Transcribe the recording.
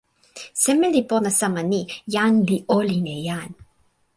seme li pona sama ni: jan li olin e jan.